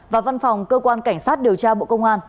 và văn phòng cơ quan cảnh sát điều tra bộ công an